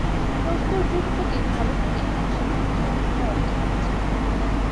প্রস্তর যুগ থেকেই ভারতের এই অংশে মানুষের ভালো অবস্থান ছিলো।